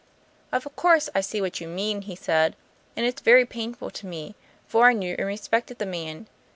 "Of course, I see what you mean," he said, "and it's very painful for me, for I knew and respected the man.